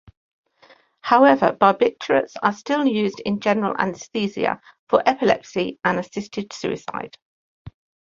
However, barbiturates are still used in general anesthesia, for epilepsy, and assisted suicide.